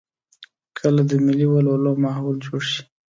کله د ملي ولولو ماحول جوړ شي.